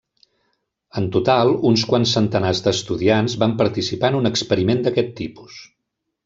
En total, uns quants centenars d'estudiants van participar en un experiment d'aquest tipus.